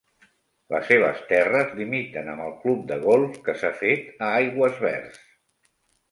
Les seves terres limiten amb el club de golf que s'ha fet a Aigüesverds.